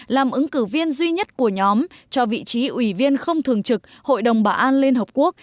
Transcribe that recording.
làm ứng cử viên duy nhất của nhóm cho vị trí ủy viên không thường trực hội đồng bảo an liên hợp quốc